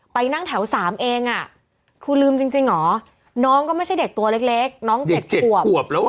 ไปนั่งแถว๓เองอ่ะครูลืมจริงเหรอน้องก็ไม่ใช่เด็กตัวเล็กน้อง๗ขวบขวบแล้วอ่ะ